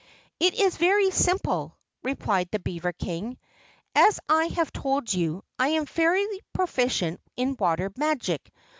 "It is very simple," replied the beaver King. "As I have told you, I am fairly proficient in water magic.